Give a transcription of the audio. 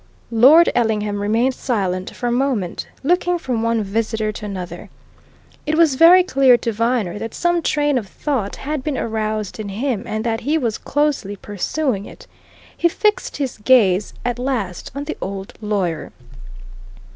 Lord Ellingham remained silent for a moment, looking from one visitor to another. It was very clear to Viner that some train of thought had been aroused in him and that he was closely pursuing it. He fixed his gaze at last on the old lawyer.